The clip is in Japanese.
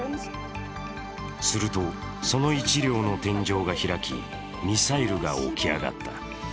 すると、その１両の天井が開き、ミサイルが起き上がった。